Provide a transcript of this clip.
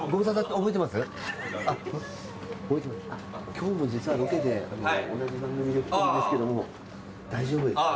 今日も実はロケで同じ番組で来てるんですけども大丈夫ですか？